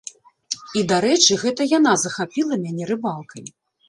І, дарэчы, гэта яна захапіла мяне рыбалкай.